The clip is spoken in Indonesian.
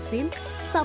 sampai di dunia film